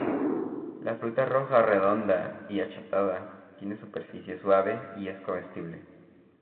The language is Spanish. La fruta roja redonda y achatada, tiene superficie suave y es comestible.